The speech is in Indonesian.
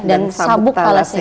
dan sabuk thalassemia ini